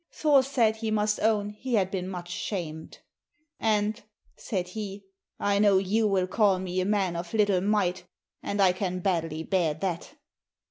Thor said he must own he had been much shamed. "And," said he, "I know you will call me a man of little might, and I can badly bear that."